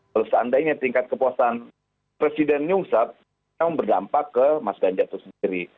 kalau seandainya tingkat kepuasan presiden nyungsat memang berdampak ke mas ganjar itu sendiri